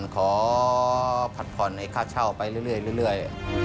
ขอผัดผ่อนในค่าเช่าไปเรื่อย